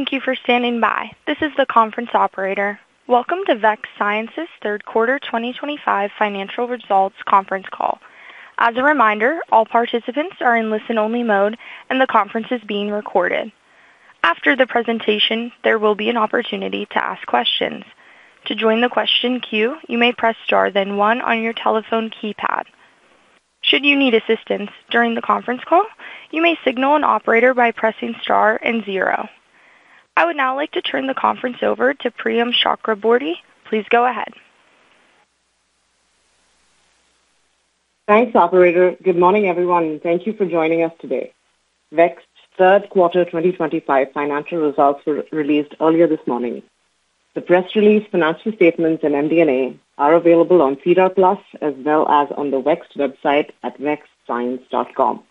Thank you for standing by. This is the conference operator. Welcome to Vext Science's third quarter 2025 financial results conference call. As a reminder, all participants are in listen-only mode, and the conference is being recorded. After the presentation, there will be an opportunity to ask questions. To join the question queue, you may press star then one on your telephone keypad. Should you need assistance during the conference call, you may signal an operator by pressing star and zero. I would now like to turn the conference over to Priyam Chakraborty. Please go ahead. Thanks, operator. Good morning, everyone, and thank you for joining us today. Vext's third quarter 2025 financial results were released earlier this morning. The press release, financial statements, and MD&A are available on SEDAR+ as well as on the Vext website at vextscience.com.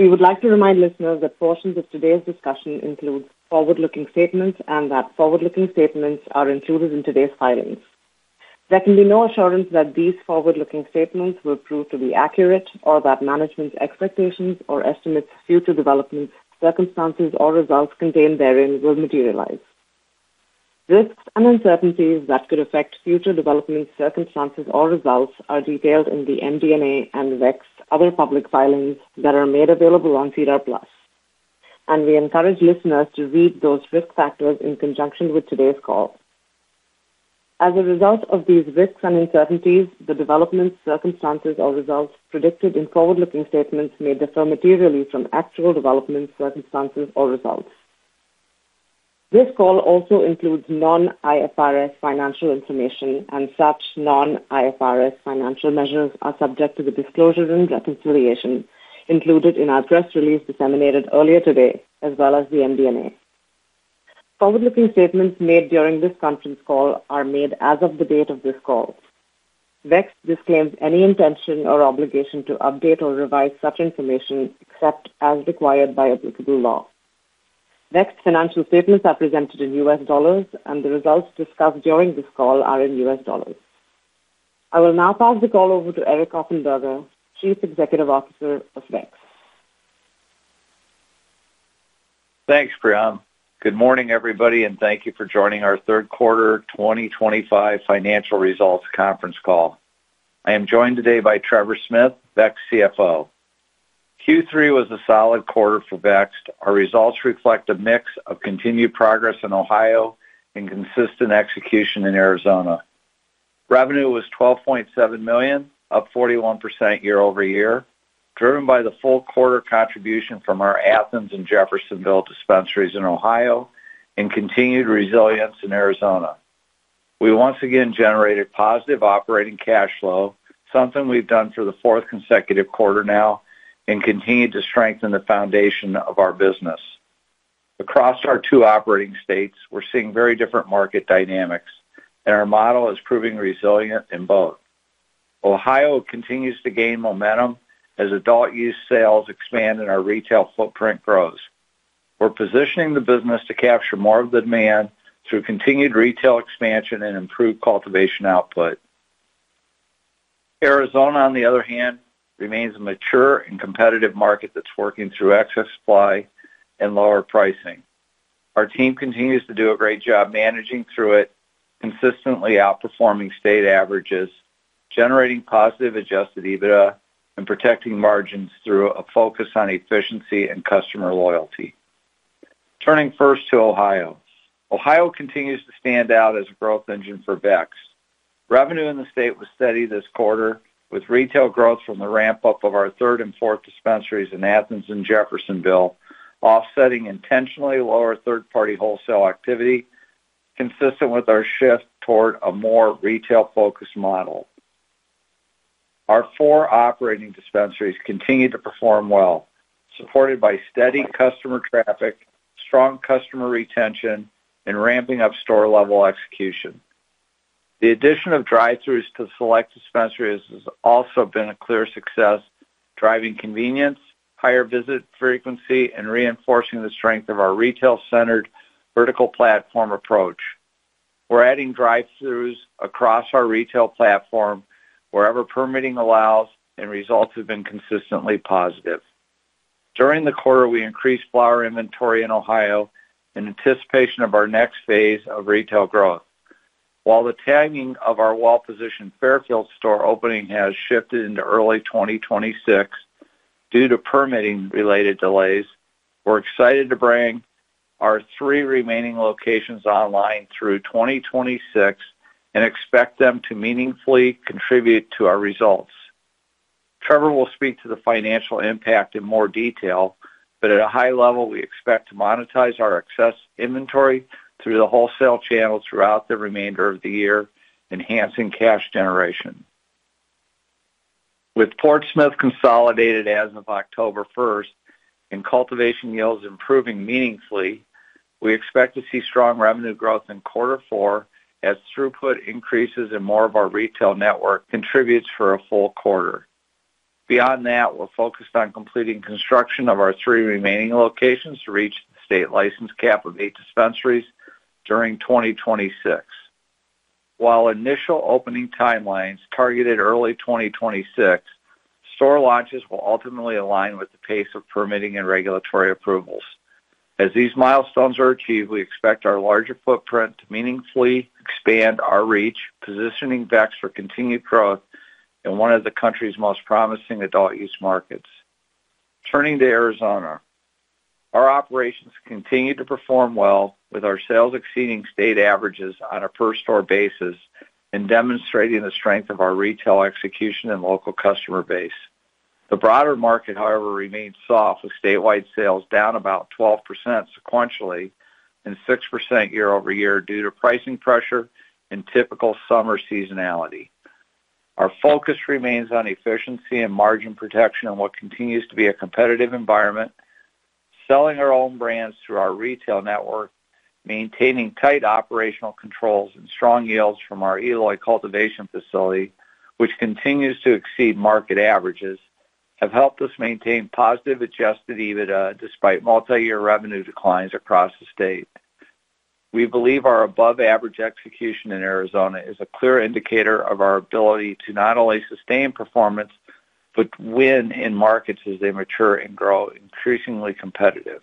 We would like to remind listeners that portions of today's discussion include forward-looking statements and that forward-looking statements are included in today's filings. There can be no assurance that these forward-looking statements will prove to be accurate or that management's expectations or estimates of future developments, circumstances, or results contained therein will materialize. Risks and uncertainties that could affect future developments, circumstances, or results are detailed in the MD&A and Vext's other public filings that are made available on SEDAR+. We encourage listeners to read those risk factors in conjunction with today's call. As a result of these risks and uncertainties, the developments, circumstances, or results predicted in forward-looking statements may differ materially from actual developments, circumstances, or results. This call also includes non-IFRS financial information, and such non-IFRS financial measures are subject to the disclosure and reconciliation included in our press release disseminated earlier today, as well as the MD&A. Forward-looking statements made during this conference call are made as of the date of this call. Vext disclaims any intention or obligation to update or revise such information except as required by applicable law. Vext financial statements are presented in U.S. dollars, and the results discussed during this call are in U.S. dollars. I will now pass the call over to Eric Offenberger, Chief Executive Officer of Vext. Thanks, Priyam. Good morning, everybody, and thank you for joining our third quarter 2025 financial results conference call. I am joined today by Trevor Smith, Vext CFO. Q3 was a solid quarter for Vext. Our results reflect a mix of continued progress in Ohio and consistent execution in Arizona. Revenue was $12.7 million, up 41% year-over-year, driven by the full quarter contribution from our Athens and Jeffersonville dispensaries in Ohio and continued resilience in Arizona. We once again generated positive operating cash flow, something we've done for the fourth consecutive quarter now, and continued to strengthen the foundation of our business. Across our two operating states, we're seeing very different market dynamics, and our model is proving resilient in both. Ohio continues to gain momentum as adult use sales expand and our retail footprint grows. We're positioning the business to capture more of the demand through continued retail expansion and improved cultivation output. Arizona, on the other hand, remains a mature and competitive market that's working through excess supply and lower pricing. Our team continues to do a great job managing through it, consistently outperforming state averages, generating positive adjusted EBITDA, and protecting margins through a focus on efficiency and customer loyalty. Turning first to Ohio, Ohio continues to stand out as a growth engine for Vext. Revenue in the state was steady this quarter, with retail growth from the ramp-up of our third and fourth dispensaries in Athens and Jeffersonville, offsetting intentionally lower third-party wholesale activity, consistent with our shift toward a more retail-focused model. Our four operating dispensaries continue to perform well, supported by steady customer traffic, strong customer retention, and ramping-up store-level execution. The addition of drive-throughs to select dispensaries has also been a clear success, driving convenience, higher visit frequency, and reinforcing the strength of our retail-centered vertical platform approach. We're adding drive-throughs across our retail platform wherever permitting allows, and results have been consistently positive. During the quarter, we increased flower inventory in Ohio in anticipation of our next phase of retail growth. While the timing of our well-positioned Fairfield store opening has shifted into early 2026 due to permitting-related delays, we're excited to bring our three remaining locations online through 2026 and expect them to meaningfully contribute to our results. Trevor will speak to the financial impact in more detail, but at a high level, we expect to monetize our excess inventory through the wholesale channel throughout the remainder of the year, enhancing cash generation. With Portsmouth consolidated as of October 1st and cultivation yields improving meaningfully, we expect to see strong revenue growth in quarter four as throughput increases and more of our retail network contributes for a full quarter. Beyond that, we're focused on completing construction of our three remaining locations to reach the state license cap of eight dispensaries during 2026. While initial opening timelines targeted early 2026, store launches will ultimately align with the pace of permitting and regulatory approvals. As these milestones are achieved, we expect our larger footprint to meaningfully expand our reach, positioning Vext for continued growth in one of the country's most promising adult-use markets. Turning to Arizona, our operations continue to perform well, with our sales exceeding state averages on a per-store basis and demonstrating the strength of our retail execution and local customer base. The broader market, however, remains soft, with statewide sales down about 12% sequentially and 6% year-over-year due to pricing pressure and typical summer seasonality. Our focus remains on efficiency and margin protection in what continues to be a competitive environment. Selling our own brands through our retail network, maintaining tight operational controls, and strong yields from our Eloy cultivation facility, which continues to exceed market averages, have helped us maintain positive adjusted EBITDA despite multi-year revenue declines across the state. We believe our above-average execution in Arizona is a clear indicator of our ability to not only sustain performance but win in markets as they mature and grow increasingly competitive.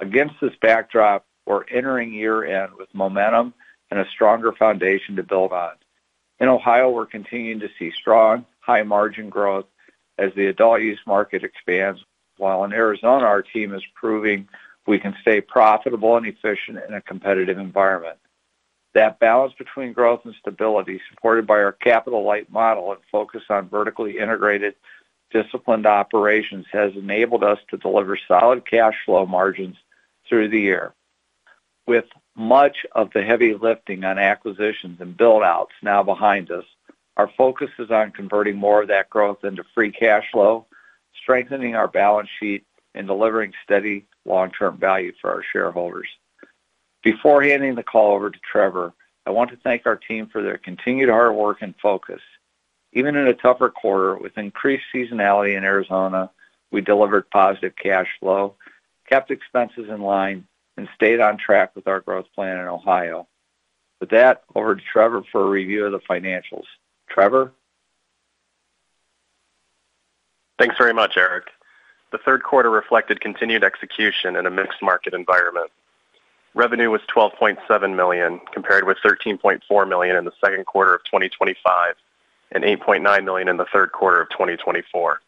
Against this backdrop, we're entering year-end with momentum and a stronger foundation to build on. In Ohio, we're continuing to see strong, high-margin growth as the adult use market expands, while in Arizona, our team is proving we can stay profitable and efficient in a competitive environment. That balance between growth and stability, supported by our capital-light model and focus on vertically integrated, disciplined operations, has enabled us to deliver solid cash flow margins through the year. With much of the heavy lifting on acquisitions and build-outs now behind us, our focus is on converting more of that growth into free cash flow, strengthening our balance sheet, and delivering steady long-term value for our shareholders. Before handing the call over to Trevor, I want to thank our team for their continued hard work and focus. Even in a tougher quarter, with increased seasonality in Arizona, we delivered positive cash flow, kept expenses in line, and stayed on track with our growth plan in Ohio. With that, over to Trevor for a review of the financials. Trevor? Thanks very much, Eric. The third quarter reflected continued execution in a mixed market environment. Revenue was $12.7 million, compared with $13.4 million in the second quarter of 2025 and $8.9 million in the third quarter of 2024.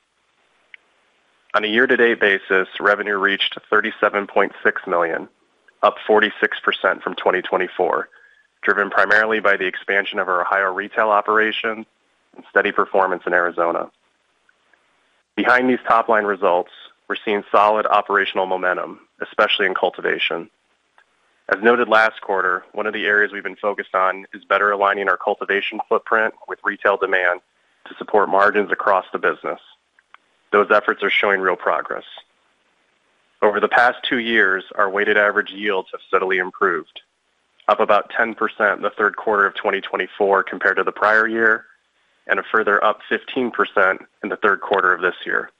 On a year-to-date basis, revenue reached $37.6 million, up 46% from 2024, driven primarily by the expansion of our Ohio retail operation and steady performance in Arizona. Behind these top-line results, we're seeing solid operational momentum, especially in cultivation. As noted last quarter, one of the areas we've been focused on is better aligning our cultivation footprint with retail demand to support margins across the business. Those efforts are showing real progress. Over the past two years, our weighted average yields have steadily improved, up about 10% in the third quarter of 2024 compared to the prior year and a further up 15% in the third quarter of this year.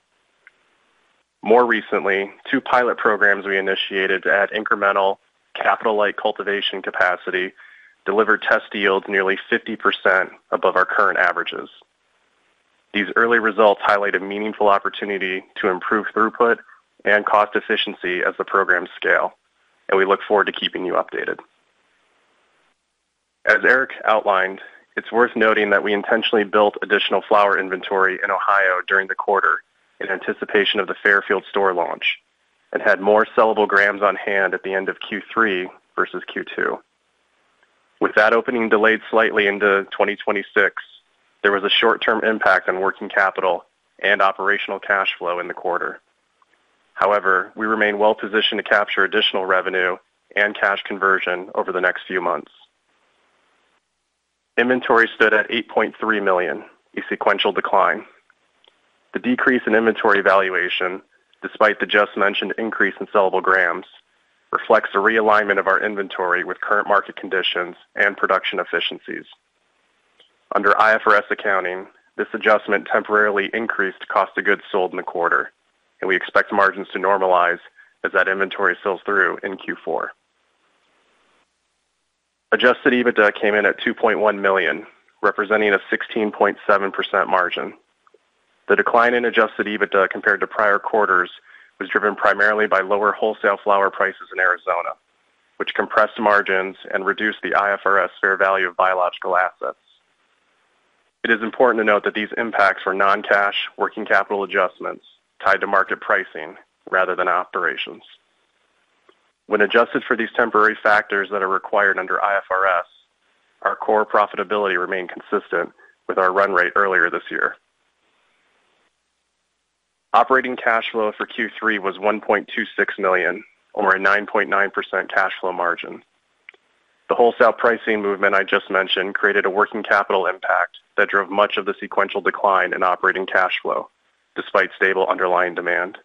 More recently, two pilot programs we initiated to add incremental capital-light cultivation capacity delivered test yields nearly 50% above our current averages. These early results highlight a meaningful opportunity to improve throughput and cost efficiency as the programs scale, and we look forward to keeping you updated. As Eric outlined, it is worth noting that we intentionally built additional flower inventory in Ohio during the quarter in anticipation of the Fairfield store launch and had more sellable grams on hand at the end of Q3 versus Q2. With that opening delayed slightly into 2026, there was a short-term impact on working capital and operational cash flow in the quarter. However, we remain well-positioned to capture additional revenue and cash conversion over the next few months. Inventory stood at $8.3 million, a sequential decline. The decrease in inventory valuation, despite the just-mentioned increase in sellable grams, reflects a realignment of our inventory with current market conditions and production efficiencies. Under IFRS accounting, this adjustment temporarily increased cost of goods sold in the quarter, and we expect margins to normalize as that inventory fills through in Q4. Adjusted EBITDA came in at $2.1 million, representing a 16.7% margin. The decline in adjusted EBITDA compared to prior quarters was driven primarily by lower wholesale flower prices in Arizona, which compressed margins and reduced the IFRS fair value of biological assets. It is important to note that these impacts were non-cash working capital adjustments tied to market pricing rather than operations. When adjusted for these temporary factors that are required under IFRS, our core profitability remained consistent with our run rate earlier this year. Operating cash flow for Q3 was $1.26 million, or a 9.9% cash flow margin. The wholesale pricing movement I just mentioned created a working capital impact that drove much of the sequential decline in operating cash flow, despite stable underlying demand.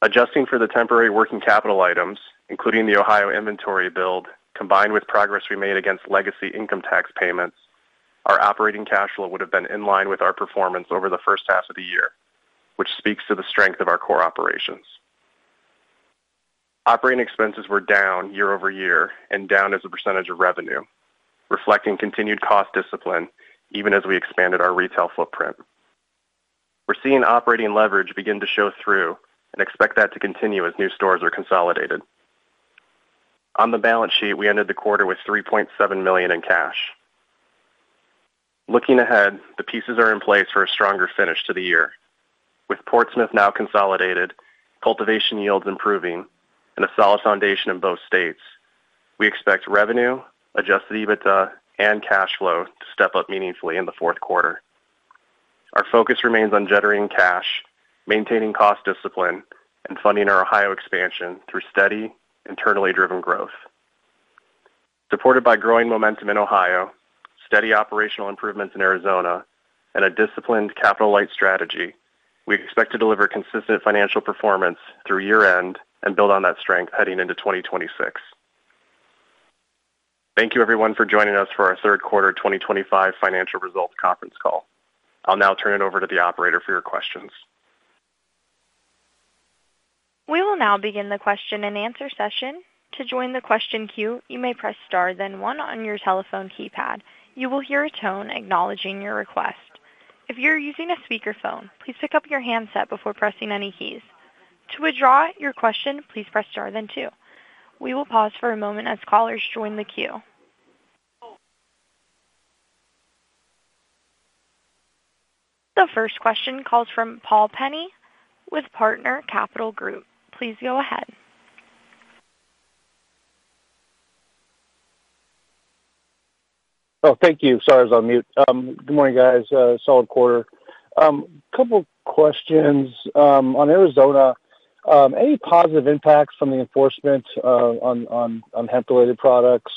Adjusting for the temporary working capital items, including the Ohio inventory build, combined with progress we made against legacy income tax payments, our operating cash flow would have been in line with our performance over the first half of the year, which speaks to the strength of our core operations. Operating expenses were down year-over-year and down as a percentage of revenue, reflecting continued cost discipline even as we expanded our retail footprint. We're seeing operating leverage begin to show through and expect that to continue as new stores are consolidated. On the balance sheet, we ended the quarter with $3.7 million in cash. Looking ahead, the pieces are in place for a stronger finish to the year. With Portsmouth now consolidated, cultivation yields improving, and a solid foundation in both states, we expect revenue, adjusted EBITDA, and cash flow to step up meaningfully in the fourth quarter. Our focus remains on jetting cash, maintaining cost discipline, and funding our Ohio expansion through steady, internally-driven growth. Supported by growing momentum in Ohio, steady operational improvements in Arizona, and a disciplined capital-light strategy, we expect to deliver consistent financial performance through year-end and build on that strength heading into 2026. Thank you, everyone, for joining us for our third quarter 2025 financial results conference call. I'll now turn it over to the operator for your questions. We will now begin the question-and-answer session. To join the question queue, you may press star then one on your telephone keypad. You will hear a tone acknowledging your request. If you're using a speakerphone, please pick up your handset before pressing any keys. To withdraw your question, please press star then two. We will pause for a moment as callers join the queue. The first question calls from Paul Penney with Partner Capital Group. Please go ahead. Oh, thank you. Sorry, I was on mute. Good morning, guys. Solid quarter. A couple of questions. On Arizona, any positive impacts from the enforcement on hemp-related products?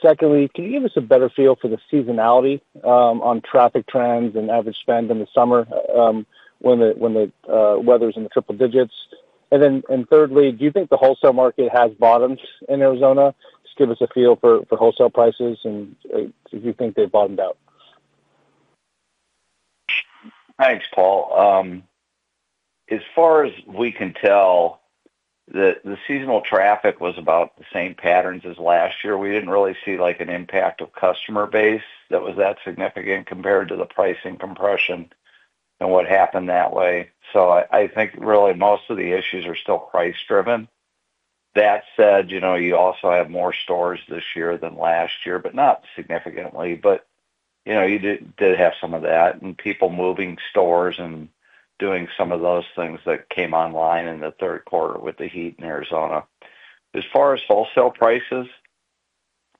Secondly, can you give us a better feel for the seasonality on traffic trends and average spend in the summer when the weather's in the triple digits? Thirdly, do you think the wholesale market has bottomed in Arizona? Just give us a feel for wholesale prices and if you think they've bottomed out. Thanks, Paul. As far as we can tell, the seasonal traffic was about the same patterns as last year. We didn't really see an impact of customer base that was that significant compared to the pricing compression and what happened that way. I think really most of the issues are still price-driven. That said, you also have more stores this year than last year, but not significantly. You did have some of that and people moving stores and doing some of those things that came online in the third quarter with the heat in Arizona. As far as wholesale prices,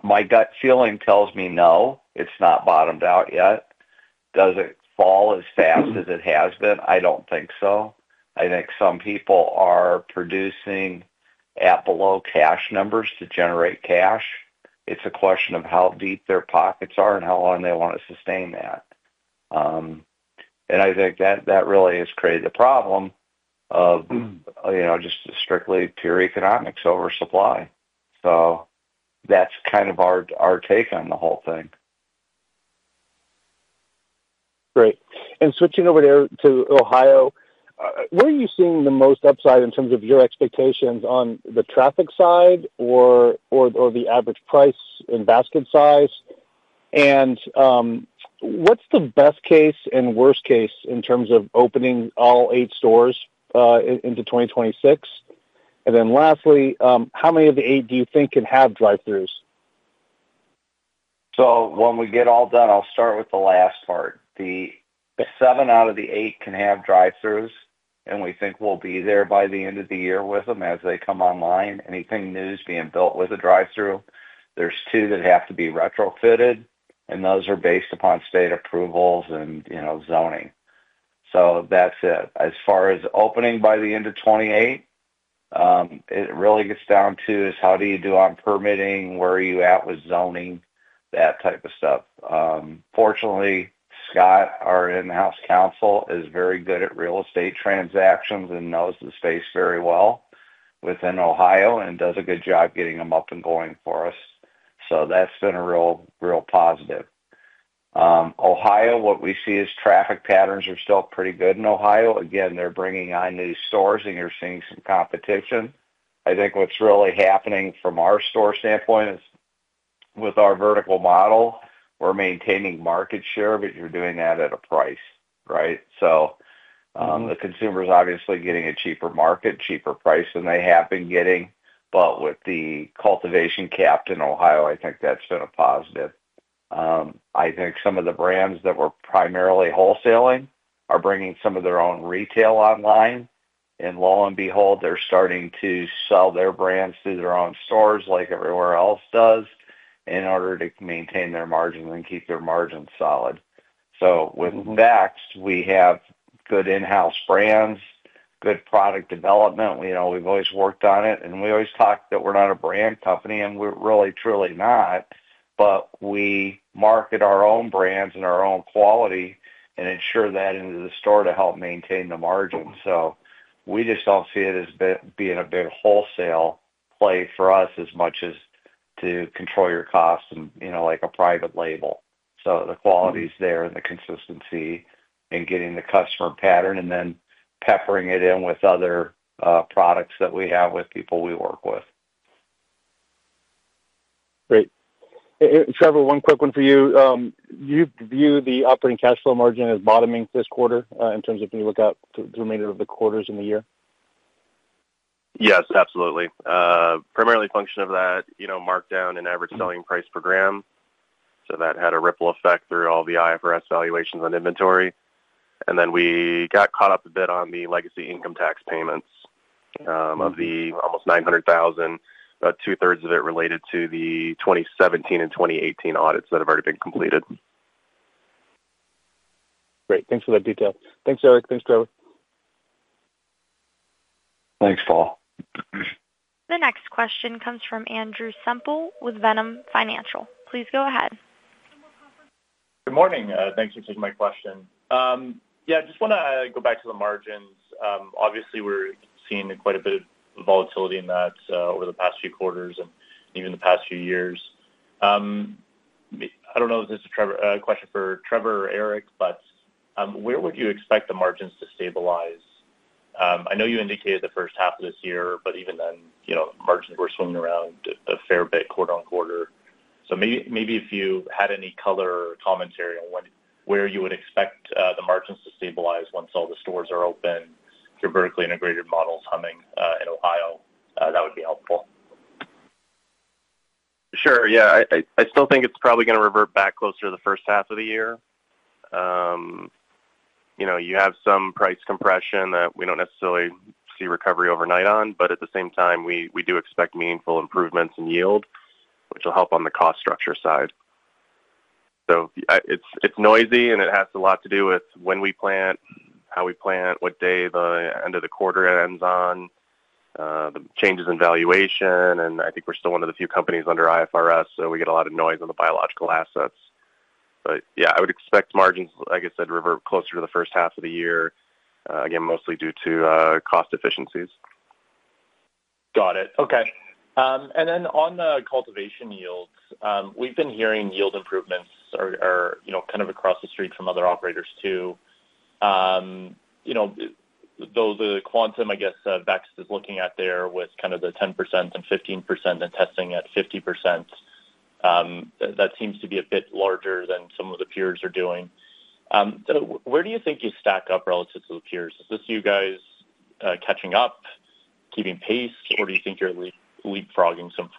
my gut feeling tells me no. It's not bottomed out yet. Does it fall as fast as it has been? I don't think so. I think some people are producing at-below cash numbers to generate cash. It's a question of how deep their pockets are and how long they want to sustain that. I think that really has created the problem of just strictly pure economics oversupply. That's kind of our take on the whole thing. Great. Switching over there to Ohio, where are you seeing the most upside in terms of your expectations on the traffic side or the average price in basket size? What's the best case and worst case in terms of opening all eight stores into 2026? Lastly, how many of the eight do you think can have drive-thrus? When we get all done, I'll start with the last part. Seven out of the eight can have drive-thrus, and we think we'll be there by the end of the year with them as they come online. Anything new is being built with a drive-thru. There are two that have to be retrofitted, and those are based upon state approvals and zoning. That's it. As far as opening by the end of 2028, it really gets down to how you do on permitting, where you are at with zoning, that type of stuff. Fortunately, Scott, our in-house counsel, is very good at real estate transactions and knows the space very well within Ohio and does a good job getting them up and going for us. That's been a real positive. Ohio, what we see is traffic patterns are still pretty good in Ohio. Again, they're bringing on new stores, and you're seeing some competition. I think what's really happening from our store standpoint is with our vertical model, we're maintaining market share, but you're doing that at a price, right? The consumer's obviously getting a cheaper market, cheaper price than they have been getting. With the cultivation capped in Ohio, I think that's been a positive. I think some of the brands that were primarily wholesaling are bringing some of their own retail online. Lo and behold, they're starting to sell their brands through their own stores like everywhere else does in order to maintain their margins and keep their margins solid. With Vext, we have good in-house brands, good product development. We've always worked on it, and we always talk that we're not a brand company, and we're really, truly not. We market our own brands and our own quality and ensure that into the store to help maintain the margins. We just do not see it as being a big wholesale play for us as much as to control your costs and like a private label. The quality is there and the consistency and getting the customer pattern and then peppering it in with other products that we have with people we work with. Great. Trevor, one quick one for you. Do you view the operating cash flow margin as bottoming this quarter in terms of when you look out to the remainder of the quarters in the year? Yes, absolutely. Primarily function of that markdown in average selling price per gram. That had a ripple effect through all the IFRS valuations on inventory. Then we got caught up a bit on the legacy income tax payments of the almost $900,000, about 2/3 of it related to the 2017 and 2018 audits that have already been completed. Great. Thanks for that detail. Thanks, Eric. Thanks, Trevor. Thanks, Paul. The next question comes from Andrew Semple with Ventum Financial. Please go ahead. Good morning. Thanks for taking my question. Yeah, I just want to go back to the margins. Obviously, we're seeing quite a bit of volatility in that over the past few quarters and even the past few years. I don't know if this is a question for Trevor or Eric, but where would you expect the margins to stabilize? I know you indicated the first half of this year, but even then, margins were swimming around a fair bit quarter on quarter. Maybe if you had any color or commentary on where you would expect the margins to stabilize once all the stores are open, your vertically integrated model's humming in Ohio, that would be helpful. Sure. Yeah. I still think it's probably going to revert back closer to the first half of the year. You have some price compression that we don't necessarily see recovery overnight on, but at the same time, we do expect meaningful improvements in yield, which will help on the cost structure side. It is noisy, and it has a lot to do with when we plant, how we plant, what day the end of the quarter ends on, the changes in valuation. I think we're still one of the few companies under IFRS, so we get a lot of noise on the biological assets. Yeah, I would expect margins, like I said, revert closer to the first half of the year, again, mostly due to cost efficiencies. Got it. Okay. On the cultivation yields, we've been hearing yield improvements are kind of across the street from other operators too. Though the quantum, I guess, Vext is looking at there with kind of the 10% and 15% and testing at 50%, that seems to be a bit larger than some of the peers are doing. Where do you think you stack up relative to the peers? Is this you guys catching up, keeping pace, or do you think you're leapfrogging some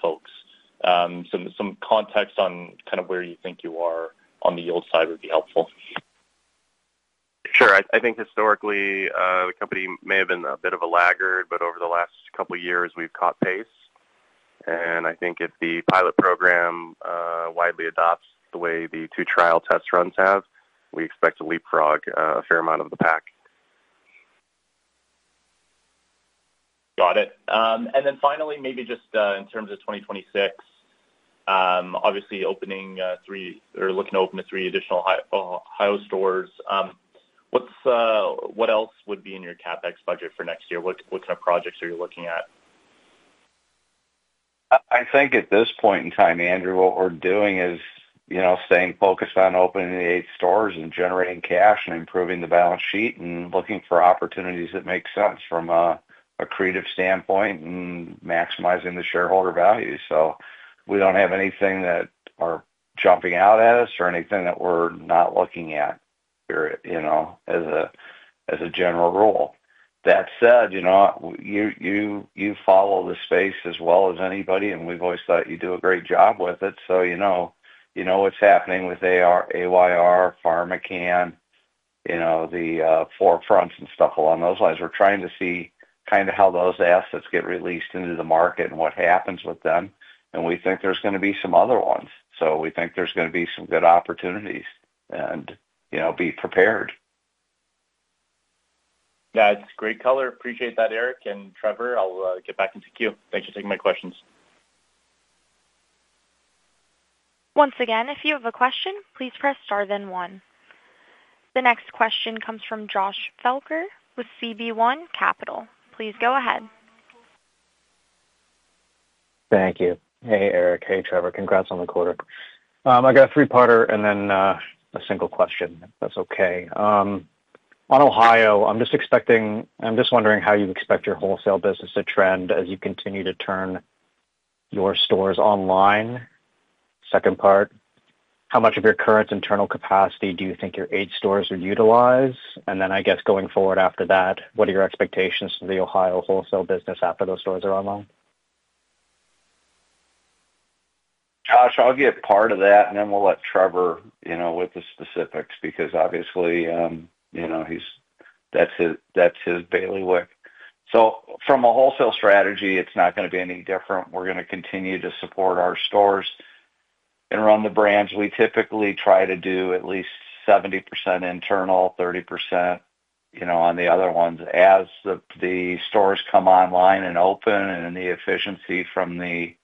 folks? Some context on kind of where you think you are on the yield side would be helpful. Sure. I think historically, the company may have been a bit of a laggard, but over the last couple of years, we've caught pace. I think if the pilot program widely adopts the way the two trial test runs have, we expect to leapfrog a fair amount of the pack. Got it. Finally, maybe just in terms of 2026, obviously opening three or looking to open three additional Ohio stores. What else would be in your CapEx budget for next year? What kind of projects are you looking at? I think at this point in time, Andrew, what we're doing is staying focused on opening the eight stores and generating cash and improving the balance sheet and looking for opportunities that make sense from a creative standpoint and maximizing the shareholder value. We don't have anything that are jumping out at us or anything that we're not looking at here as a general rule. That said, you follow the space as well as anybody, and we've always thought you do a great job with it. You know what's happening with AYR, PharmaCann, the forefronts, and stuff along those lines. We're trying to see kind of how those assets get released into the market and what happens with them. We think there's going to be some other ones. We think there's going to be some good opportunities and be prepared. That's great color. Appreciate that, Eric. Trevor, I'll get back into queue. Thanks for taking my questions. Once again, if you have a question, please press star then one. The next question comes from Josh Felker with CB1 Capital. Please go ahead. Thank you. Hey, Eric. Hey, Trevor. Congrats on the quarter. I got a three-parter and then a single question, if that's okay. On Ohio, I'm just wondering how you expect your wholesale business to trend as you continue to turn your stores online. Second part, how much of your current internal capacity do you think your eight stores will utilize? And then I guess going forward after that, what are your expectations for the Ohio wholesale business after those stores are online? Josh, I'll get part of that, and then we'll let Trevor with the specifics because obviously, that's his bailiwick. From a wholesale strategy, it's not going to be any different. We're going to continue to support our stores and run the brands. We typically try to do at least 70% internal, 30% on the other ones. As the stores come online and open and the efficiency from the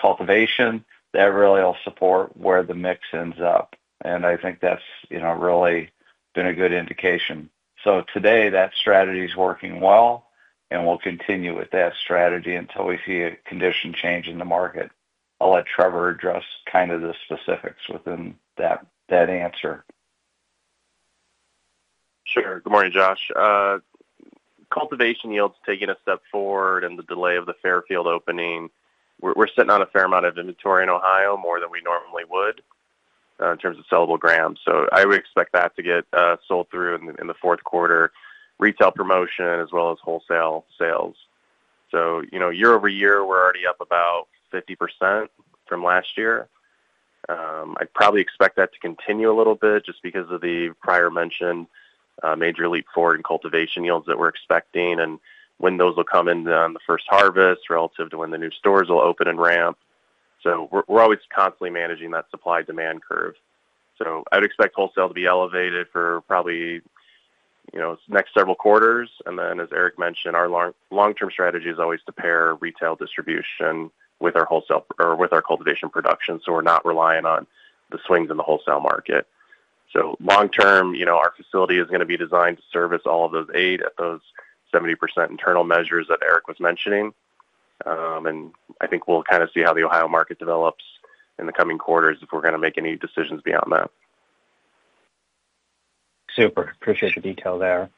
cultivation, that really will support where the mix ends up. I think that's really been a good indication. Today, that strategy is working well, and we'll continue with that strategy until we see a condition change in the market. I'll let Trevor address kind of the specifics within that answer. Sure. Good morning, Josh. Cultivation yields taking a step forward and the delay of the Fairfield opening. We're sitting on a fair amount of inventory in Ohio, more than we normally would in terms of sellable grams. I would expect that to get sold through in the fourth quarter, retail promotion as well as wholesale sales. Year-over-year, we're already up about 50% from last year. I'd probably expect that to continue a little bit just because of the prior mentioned major leap forward in cultivation yields that we're expecting and when those will come in on the first harvest relative to when the new stores will open and ramp. We're always constantly managing that supply-demand curve. I would expect wholesale to be elevated for probably the next several quarters. As Eric mentioned, our long-term strategy is always to pair retail distribution with our cultivation production so we're not relying on the swings in the wholesale market. Long-term, our facility is going to be designed to service all of those eight at those 70% internal measures that Eric was mentioning. I think we'll kind of see how the Ohio market develops in the coming quarters if we're going to make any decisions beyond that. Super. Appreciate the detail there.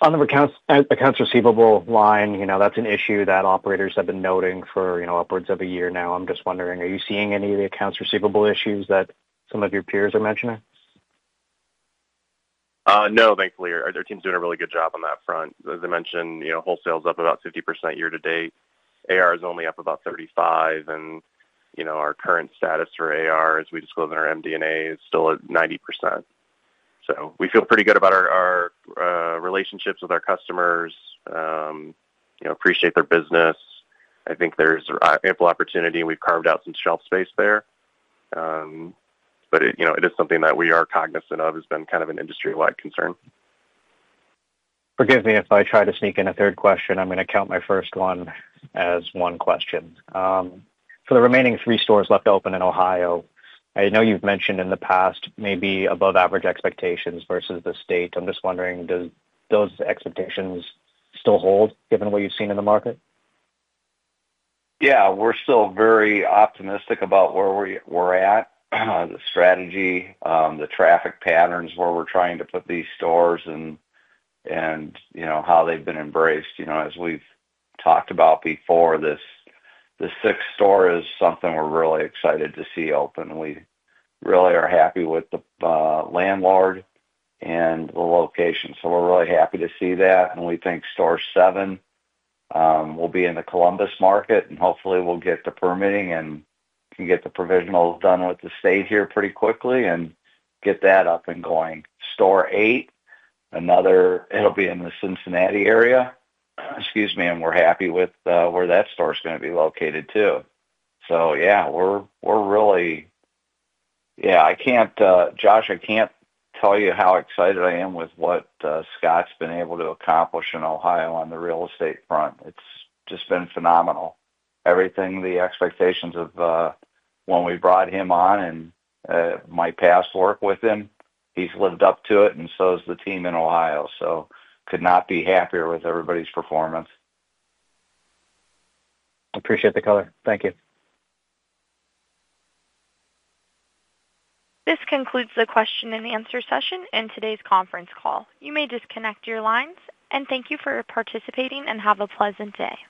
On the accounts receivable line, that's an issue that operators have been noting for upwards of a year now. I'm just wondering, are you seeing any of the accounts receivable issues that some of your peers are mentioning? No, thankfully. Our team's doing a really good job on that front. As I mentioned, wholesale's up about 50% year to date. AR is only up about 35%. And our current status for AR, as we disclose in our MD&A, is still at 90%. So we feel pretty good about our relationships with our customers, appreciate their business. I think there's ample opportunity. We've carved out some shelf space there. It is something that we are cognizant of has been kind of an industry-wide concern. Forgive me if I try to sneak in a third question. I'm going to count my first one as one question. For the remaining three stores left open in Ohio, I know you've mentioned in the past maybe above-average expectations versus the state. I'm just wondering, do those expectations still hold given what you've seen in the market? Yeah. We're still very optimistic about where we're at, the strategy, the traffic patterns where we're trying to put these stores, and how they've been embraced. As we've talked about before, the sixth store is something we're really excited to see open. We really are happy with the landlord and the location. We're really happy to see that. We think store seven will be in the Columbus market, and hopefully, we'll get the permitting and can get the provisionals done with the state here pretty quickly and get that up and going. Store eight, it'll be in the Cincinnati area. Excuse me. We're happy with where that store is going to be located too. Yeah, we're really, yeah, Josh, I can't tell you how excited I am with what Scott's been able to accomplish in Ohio on the real estate front. It's just been phenomenal. Everything, the expectations of when we brought him on and my past work with him, he's lived up to it, and so has the team in Ohio. Could not be happier with everybody's performance. Appreciate the color. Thank you. This concludes the question and answer session in today's conference call. You may disconnect your lines. Thank you for participating and have a pleasant day.